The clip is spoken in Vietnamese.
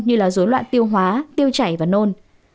như dối loạn tiêu hóa tiêu chảy và nôn